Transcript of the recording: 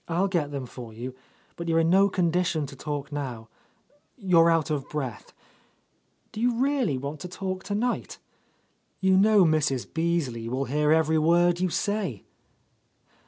"I'll get them for you, but you're in no condi tion to talk now; you're out of breath. Do you really want to talk tonight? You know Mrs. Beasley will hear every word you say."